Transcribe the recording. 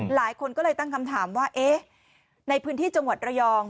หลายคนก็เลยตั้งคำถามว่าเอ๊ะในพื้นที่จังหวัดระยอง